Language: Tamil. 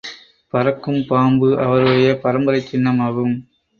பறக்கும் பாம்பு, அவருடைய பரம்பரைச் சின்னமாகும்.